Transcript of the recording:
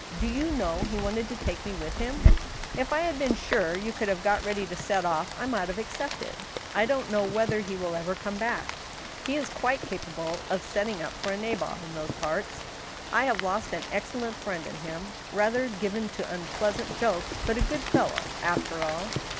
Do you know he wanted to take me with him ? If I had been sure you could have got ready to set off, ^ I might have accepted. I don't know whether he will ever come back. He is quite capable of setting up for a nabob in those parts. I have lost an excellent friend in him ; rather given to unpleasant jokes, but a good fellow, after all."